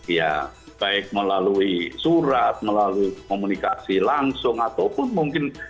ya baik melalui surat melalui komunikasi langsung ataupun mungkin